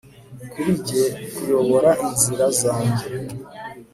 kuri njye kuyobora inzira zanjye